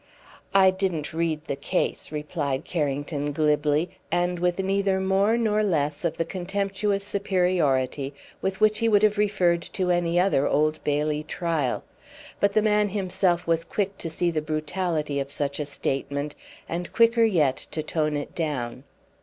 "I didn't read the case," replied Carrington glibly, and with neither more nor less of the contemptuous superiority with which he would have referred to any other Old Bailey trial; but the man himself was quick to see the brutality of such a statement, and quicker yet to tone it down.